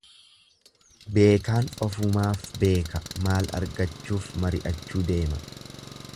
Beekaan ofumaaf beeka maal argachuuf mari'achuu deema.